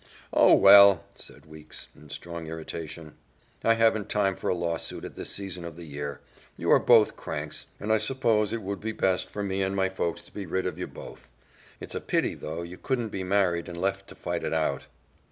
"Oh, well!" said Weeks in strong irritation, "I haven't time for a lawsuit at this season of the year. You are both cranks, and I suppose it would be best for me and my folks to be rid of you both. It's a pity, though, you couldn't be married and left to fight it out."